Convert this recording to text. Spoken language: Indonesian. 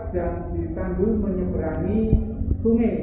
dan ditandu menyembrangi sungai